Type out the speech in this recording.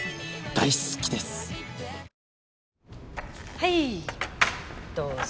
はいどうぞ。